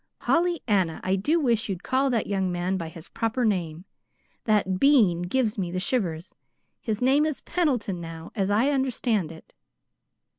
"Pollyanna, I do wish you'd call that young man by his proper name. That 'Bean' gives me the shivers. His name is 'Pendleton' now, as I understand it."